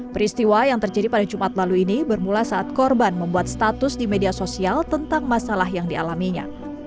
peristiwa yang terjadi pada jumat lalu ini bermula saat korban membuat status di media sosial tentang masalah yang dialaminya